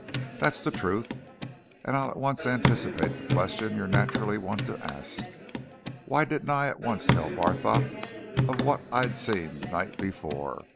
That's the truth. And I'll at once anticipate the question that you'll naturally want to ask. Why didn't I at once tell Barthorpe of what I'd seen the night before?